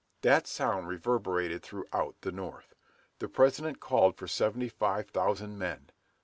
That sound reverberated throughout the North. The President called for seventy five thousand men.